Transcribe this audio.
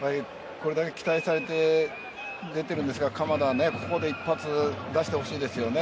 これだけ期待されて出ているんですから鎌田はここで一発出してほしいですよね。